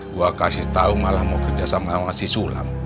gua kasih tau malah mau kerja sama haji sulam